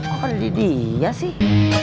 apa dede dia sih